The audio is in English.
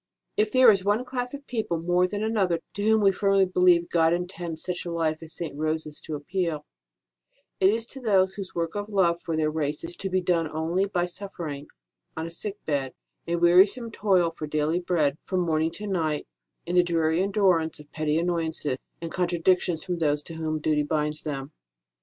If there is one class of people more than another to whom we firmly believe God intends such a life as St. Rose s to appeal, it is to those whose work of love for their race is to be done only by suffering: on a sick bed, in wearisome toil for daily bread from morning to night, in the dreary endurance of petty annoyances and contra dictions from those to whom duty binds them.